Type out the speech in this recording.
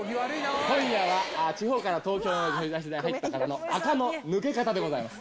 今夜は地方から東京に入った方の、アカの抜け方でございます。